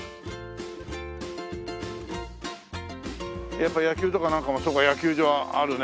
やっぱ野球とかなんかもそうか野球場あるね。